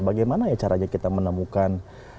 bagaimana ya caranya kita menemukan